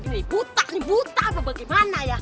ya putar nih putar apa bagaimana ya